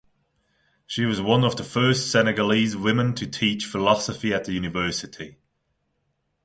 She was one of the first Senegalese women to teach philosophy at the university.